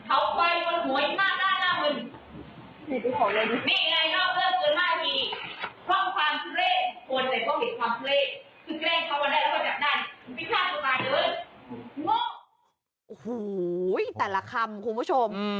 โอ้โหแต่ละคำคุณผู้ชม